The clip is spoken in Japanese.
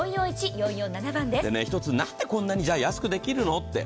何でこんなに安くできるの？って